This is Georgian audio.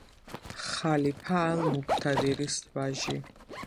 ხალიფა ალ-მუკთადირის ვაჟი.